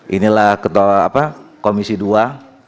inilah ketua komisi dua